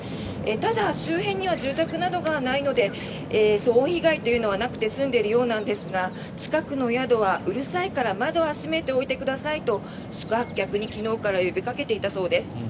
ただ、周辺には住宅などがないので騒音被害というのはなくて済んでいるようなんですが近くの宿は、うるさいから窓は閉めておいてくださいと宿泊客に昨日から呼びかけていたそうです。